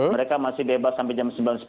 mereka masih bebas sampai jam sembilan sepuluh